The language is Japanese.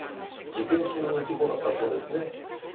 実験中の事故だったそうですね。